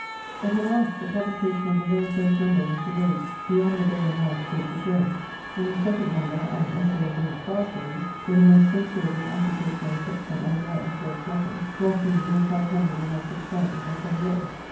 But alas! the publication of the very first number was delayed beyond the day announced for its appearance. In the second number an essay against fast days, with a most censurable application of a text from Isaiah for its motto, lost me near five hundred of my subscribers at one blow.